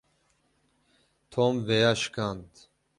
Tom vêya şikand.